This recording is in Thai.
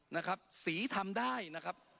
นะครับสีทำได้นะครับ